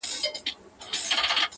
امتحان هر سړي پر ملا مات کړي،